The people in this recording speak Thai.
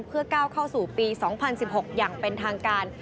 เพื่อก้าวเข้าสู่ปี๒๐๑๖อย่างเป็นทางการ